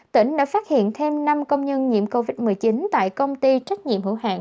tỉnh đã phát hiện thêm năm công nhân nhiễm covid một mươi chín tại công ty trách nhiệm hữu hạng